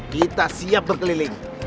kita siap berkeliling